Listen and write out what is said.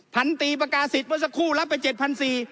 พันตีประกาศิษย์เมื่อสักครู่รับไปเจ็ดพันสี่